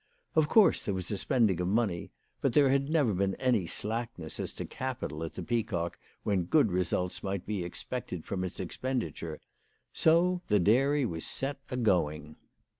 Of course there was a spending of money, but there had never been any slackness as to capital at the Pea cock when good results might be expected from its expenditure. So the dairy was set agoing.